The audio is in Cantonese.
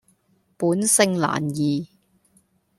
本性難移